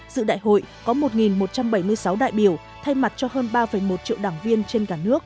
dự đại hội có một một trăm bảy mươi sáu đại biểu thay mặt cho hơn ba một triệu đảng viên trên cả nước